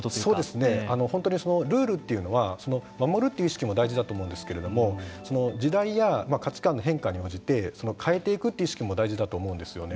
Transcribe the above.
本当にルールというのは守るという意識も大事だと思うんですけれども時代や価値観の変化に応じて変えていくという意識も大事だと思うんですよね。